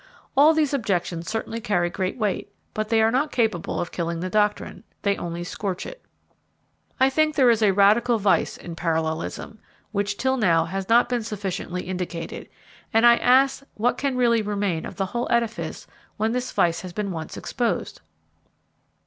All these objections certainly carry great weight, but they are not capable of killing the doctrine they only scotch it. I think there is a radical vice in parallelism, which till now has not been sufficiently indicated, and I ask what can really remain of the whole edifice when this vice has been once exposed?